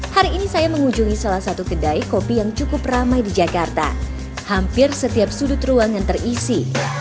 hari ini saya mengunjungi salah satu kedai kopi yang cukup ramai di jakarta hampir setiap sudut ruangan terisi